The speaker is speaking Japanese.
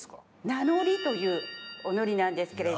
なのりというおのりなんですけれど。